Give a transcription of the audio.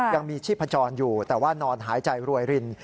ยังมีชีพจรอยู่แต่ว่านอนหายใจรวยริน